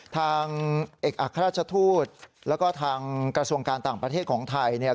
ทางเอกอัครราชทูตแล้วก็ทางกระทรวงการต่างประเทศของไทยเนี่ย